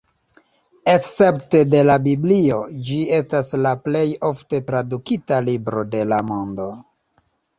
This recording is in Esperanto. Escepte de la Biblio, ĝi estas la plej ofte tradukita libro de la mondo.